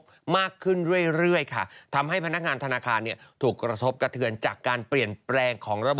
ธนาคารจำนวนหนึ่งได้รับผลกระทบมากขึ้นเรื่อยค่ะ